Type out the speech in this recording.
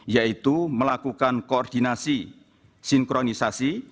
yaitu melakukan koordinasi sinkronisasi